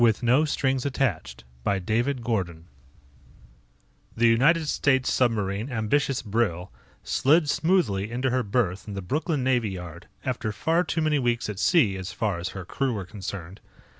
David Gordon Illustrated by Schelling The United States Submarine Ambitious Brill slid smoothly into her berth in the Brooklyn Navy Yard after far too many weeks at sea, as far as her crew were concerned.